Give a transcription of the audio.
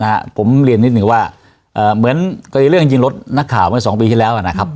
นะฮะผมเรียนนิดนึงว่าเอ่อเหมือนกรณีเรื่องยิงรถนักข่าวเมื่อสองปีที่แล้วอ่ะนะครับ